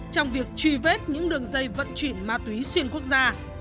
trong việc truy vết những đường dây vận chuyển ma túy xuyên quốc gia